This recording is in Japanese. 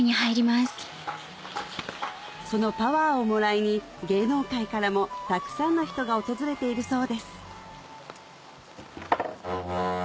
そのパワーをもらいに芸能界からもたくさんの人が訪れているそうです